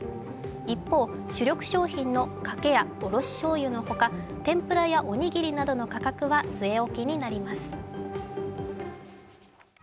一方、主力商品のかけやおろししょうゆのほか、天ぷらやおにぎりなどの価格は据え置きになります。